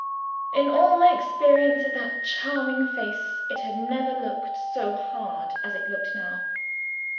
In all my experience of that charming face, it had never looked so hard as it looked now.